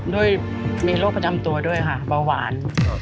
ด้วยมีโรคประจำตัวด้วยค่ะเบาหวาน